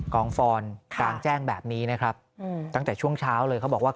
กองฟอนกลางแจ้งแบบนี้นะครับตั้งแต่ช่วงเช้าเลยเขาบอกว่า